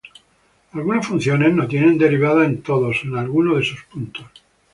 Algunas funciones no tienen derivada en todos o en alguno de sus puntos.